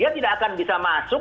dia tidak akan bisa masuk